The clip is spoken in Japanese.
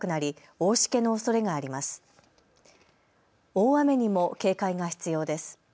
大雨にも警戒が必要です。